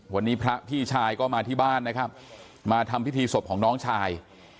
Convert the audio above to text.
วันนี้พระพี่ชายก็มาที่บ้านนะครับมาทำพิธีศพของน้องชาย